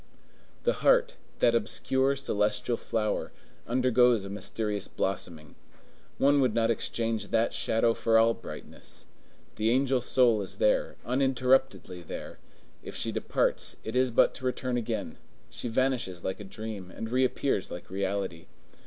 The heart, that obscure, celestial flower, undergoes a mysterious blossoming. One would not exchange that shadow for all brightness! The angel soul is there, uninterruptedly there; if she departs, it is but to return again; she vanishes like a dream, and reappears like reality.